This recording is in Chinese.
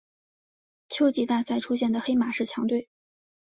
秋季大赛出现的黑马式强队。